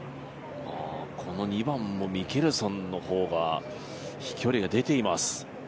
この２番もミケルソンの方が飛距離も出ています。